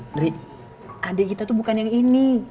dari adik kita tuh bukan yang ini